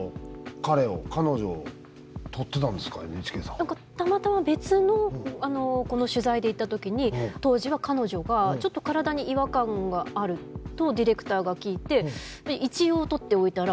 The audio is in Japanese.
何かたまたま別のこの取材で行った時に当時は彼女がちょっと体に違和感があるとディレクターが聞いて一応撮っておいたら。